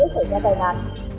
xảy ra tai nạn